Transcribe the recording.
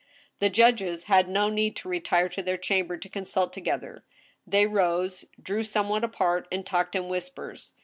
The judges had no need to retire to their chamber to con sult together. They rose, drew somewhat apart, and talked in whispers.